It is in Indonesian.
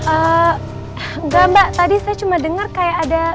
enggak mbak tadi saya cuma dengar kayak ada